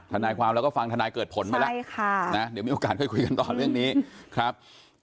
ธนายความแล้วก็ฟังธนายเกิดผลไหมละนะเดี๋ยวมีโอกาสค่อยคุยกันต่อเรื่องนี้ครับ